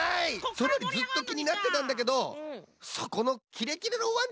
それよりずっときになってたんだけどそこのキレキレのワンちゃんだぁれ？